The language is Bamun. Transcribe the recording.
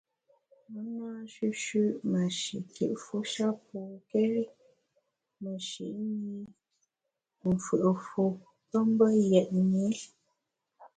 Me na nshüshü’ mashikitfu sha pokéri meshi’ mi mfù’ fu pe mbe yetni.